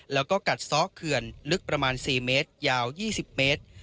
แล้วก็กัดซ้อเขื่อนลึกประมาณ๔เมตรยาว๒๐เมตร